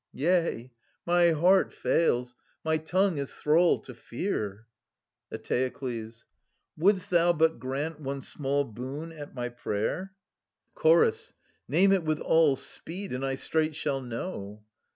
Yea, my heart fails, my tongue is thrall to fear. Eteokles. Wouldst thou but grant one small boon at my prayer — 260 i6 jiESCHYL US. Chorus. Name it with all speed, and I straight shall know.